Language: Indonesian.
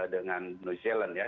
dengan new zealand ya